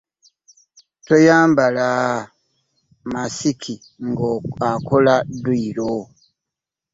Toyambala masiki nga okola dduyiro.